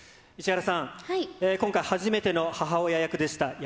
石原さん、今回初めての母親役でした。